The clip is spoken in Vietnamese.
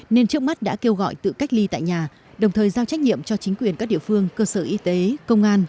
nên trước mắt đã kêu gọi tự cách ly tại nhà đồng thời giao trách nhiệm cho chính quyền các địa phương cơ sở y tế công an